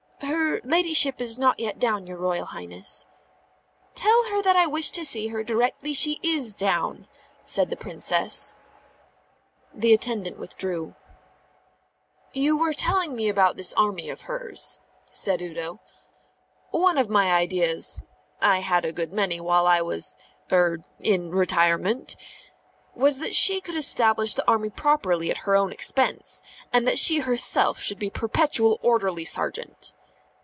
"Her ladyship is not yet down, your Royal Highness." "Tell her that I wish to see her directly she is down," said the Princess. The attendant withdrew. "You were telling me about this army of hers," said Udo. "One of my ideas I had a good many while I was er in retirement was that she could establish the army properly at her own expense, and that she herself should be perpetual orderly sergeant."